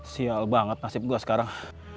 sial banget nasib gue sekarang